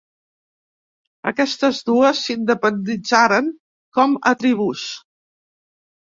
Aquestes dues s'independitzaren com a tribus.